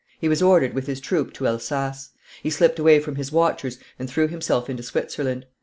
He was ordered with his troop to Elsass; he slipped away from his watchers and threw himself into Switzerland.